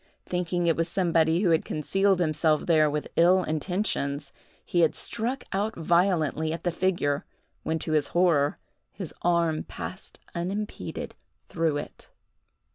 Thinking it was somebody who had concealed himself there with ill intentions, he had struck out violently at the figure, when, to his horror, his arm passed unimpeded through it.